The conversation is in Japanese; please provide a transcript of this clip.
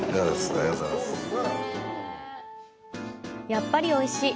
やっぱりおいしい！